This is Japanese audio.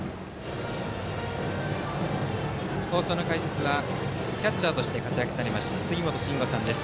放送の解説はキャッチャーとして活躍されました杉本真吾さんです。